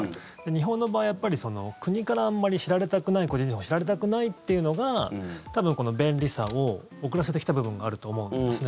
日本の場合、国からあまり知られたくない個人情報知られたくないっていうのが多分、この便利さを遅らせてきた部分があると思うんですね。